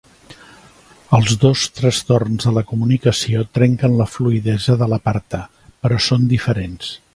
Els dos trastorns de la comunicació trenquen la fluïdesa de la parta, però són diferents.